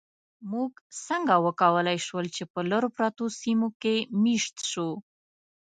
موږ څنګه وکولی شول، چې په لرو پرتو سیمو کې مېشت شو؟